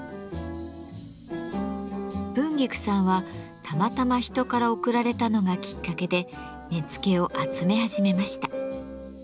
文菊さんはたまたま人から贈られたのがきっかけで根付を集め始めました。